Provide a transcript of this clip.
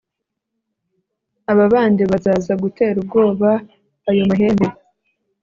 aba bandi bazaza gutera ubwoba ayo mahembe